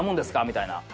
みたいな。